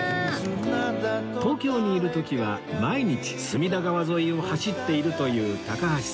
東京にいる時は毎日隅田川沿いを走っているという高橋さん